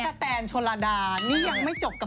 เสื่อยกับคนที่ชอบกิน